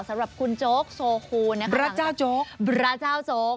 สำหรับคุณโจ๊กโซคูนะคะพระเจ้าโจ๊กพระเจ้าโจ๊ก